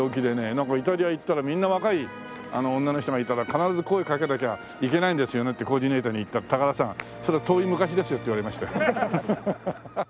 なんかイタリア行ったらみんな「若い女の人がいたら必ず声かけなきゃいけないんですよね？」ってコーディネーターに言ったら「高田さんそれは遠い昔ですよ」って言われましたよ。